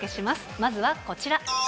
まずはこちら。